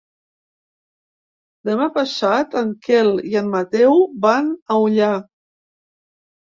Demà passat en Quel i en Mateu van a Ullà.